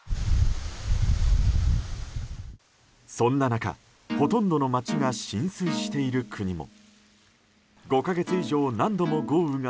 そんな中、ほとんどの街が浸水している国も。